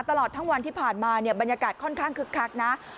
ตลอดทั้งวันที่ผ่านมาเนี่ยบรรยากาศค่อนข้างคึกคักนะ